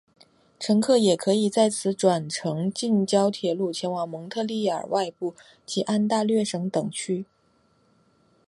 乘客也可以在此转乘近郊铁路前往蒙特利尔外部及安大略省等地区。